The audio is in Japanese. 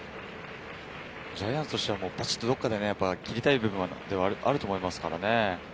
ジャイアンツとしては、どこかで切りたい部分ではあると思いますからね。